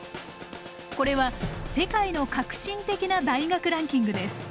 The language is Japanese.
これは世界の革新的な大学ランキングです。